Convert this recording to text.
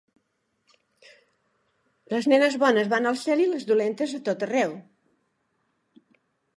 Les nenes bones van al cel i les dolentes a tot arreu.